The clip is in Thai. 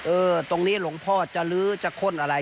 ตรงนี้หลวงพ่อจะลื้อจะข้นอะไร